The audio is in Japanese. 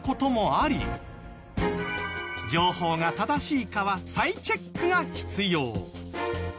情報が正しいかは再チェックが必要。